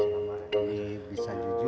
selama ini bisa jujur